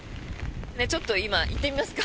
ちょっと今、行ってみますか。